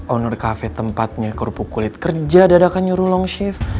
owner cafe tempatnya kerupuk kulit kerja dadakan nyurulong shift